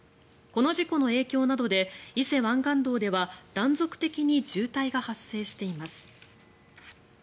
この事故の影響などで伊勢湾岸道では断続的に渋滞が発生しています。